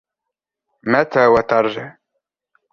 متى وترجع؟